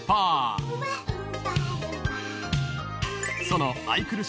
［その］